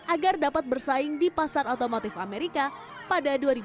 agar dapat bersaing di pasar otomotif amerika pada dua ribu sembilan belas mendatang